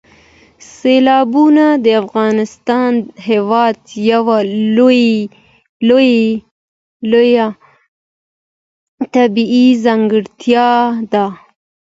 سیلابونه د افغانستان هېواد یوه لویه طبیعي ځانګړتیا ده.